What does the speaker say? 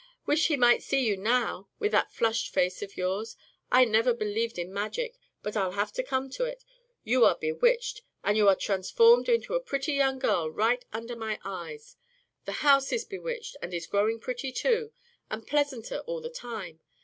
Wish he might see you now, with that flushed face of yours. I never believed in magic, but I'll have to come to it. You are bewitched, and are being transformed into a pretty young girl right under my eyes; the house is bewitched, and is growing pretty, too, and pleasanter all the time.